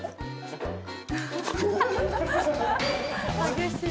激しい。